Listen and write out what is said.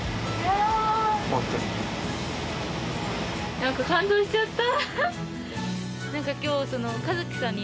なんか感動しちゃった。